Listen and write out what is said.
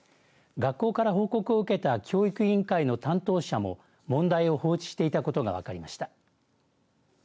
学校から報告を受けた教育委員会の担当者も問題を放置していたことが分かりました。